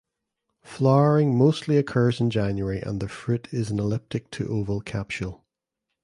Flowering mostly occurs in January and the fruit is an elliptic to oval capsule.